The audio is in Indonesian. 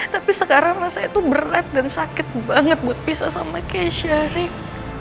tapi sekarang rasanya tuh berat dan sakit banget buat pisah sama keshari